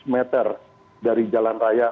dua ratus meter dari jalan raya